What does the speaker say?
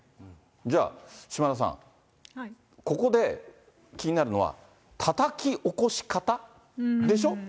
じゃあ、島田さん、ここで気になるのは、たたき起こし方でしょ。